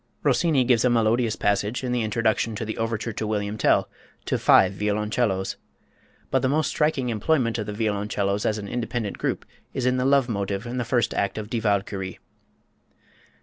Rossini gives a melodious passage, in the introduction to the overture to "William Tell," to five violoncellos. But the most striking employment of the violoncellos as an independent group is in the Love Motive in the first act of "Die Walküre."